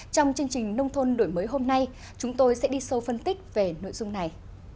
trong chương trình nông thôn đổi mới hôm nay chúng tôi sẽ đi sâu phân tích về nội dung này